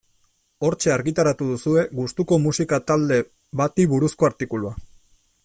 Hortxe argitaratu duzue gustuko musika talde bati buruzko artikulua.